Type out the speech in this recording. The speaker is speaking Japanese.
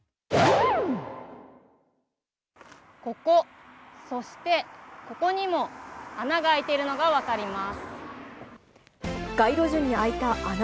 ここ、そしてここにも穴が開いているのが分かります。